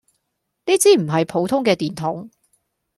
呢支唔係普通嘅電筒